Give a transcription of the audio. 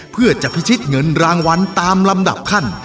เพื่อจะพิชิตเงินรางวัลตามลำดับขั้น